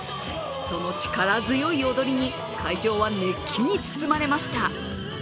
その力強い踊りに会場は熱気に包まれました。